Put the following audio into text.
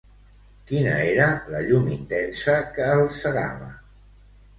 Quina era la llum intensa que els cegava?